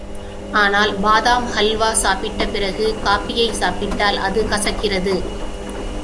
ஆனால் பாதாம் ஹல்வா சாப்பிட்ட பிறகு காபியைச் சாப்பிட்டால் அது கசக்கிறது.